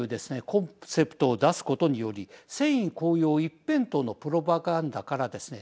コンセプトを出すことにより戦意高揚一辺倒のプロパガンダからですね